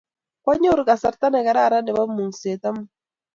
Kwanyoru kasarta nekararan nepo mung'set amut